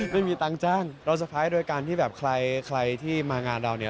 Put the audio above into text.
ไม่มีตังค์จ้างเราสะพ้ายโดยการที่แบบใครที่มางานเราเนี่ย